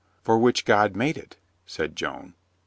"For which God made it," said Joan.